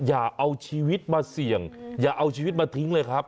อย่าเอาชีวิตมาเสี่ยงอย่าเอาชีวิตมาทิ้งเลยครับ